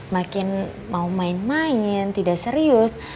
makin mau main main tidak serius